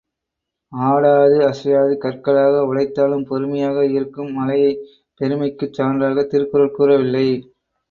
ஆடாது, அசையாது கற்களாக உடைத்தாலும் பொறுமையாக இருக்கும் மலையைப் பொறுமைக்குச் சான்றாகத் திருக்குறள் கூறவில்லை.